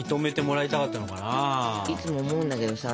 いつも思うんだけどさ